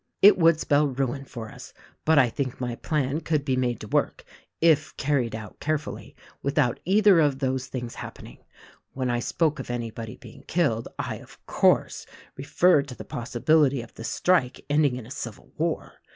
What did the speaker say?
It would spell ruin for us; but 1 think my plan could be made to work — if carried out carefully — without either of those things hap pening. When I spoke of anybody being killed I, of course, referred to the possibility of this strike ending in a civil war.